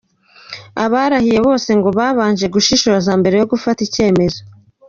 Abarahiye bose ngo babanje gushishoza mbere yo gufata icyemezo.